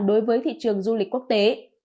đối với thị trường du lịch quốc tế